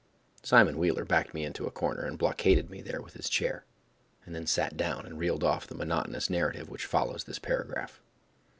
Simon Wheeler backed me into a corner and blockaded me there with his chair, and then sat down and reeled off the monotonous narrative which follows this paragraph.